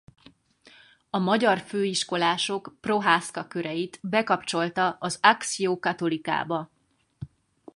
A magyar főiskolások Prohászka-köreit bekapcsolta az Actio Catholicába.